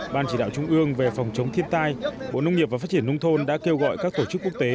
ban chỉ đạo trung ương về phòng chống thiên tai bộ nông nghiệp và phát triển nông thôn đã kêu gọi các tổ chức quốc tế